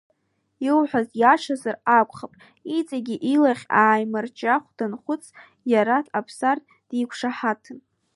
Иуҳәаз иашазар акәхап, иҵегь илахь ааимарџьахә данхәыц, Иараҭ Аԥсар диқәшаҳаҭын.